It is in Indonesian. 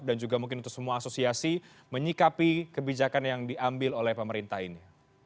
dan juga mungkin untuk semua asosiasi menyikapi kebijakan yang diambil oleh pemerintah ini